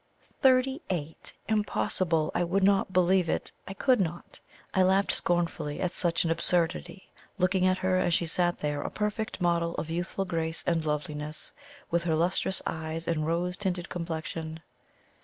Thirty eight! Impossible! I would not believe it. I could not. I laughed scornfully at such an absurdity, looking at her as she sat there a perfect model of youthful grace and loveliness, with her lustrous eyes and rose tinted complexion.